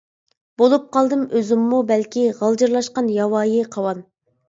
بولۇپ قالدىم ئۆزۈممۇ بەلكى، غالجىرلاشقان ياۋايى قاۋان.